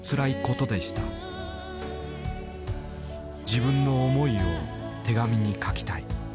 自分の思いを手紙に書きたい。